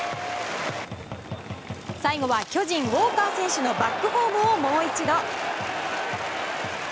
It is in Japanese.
最後は巨人、ウォーカー選手のバックホームをもう一度。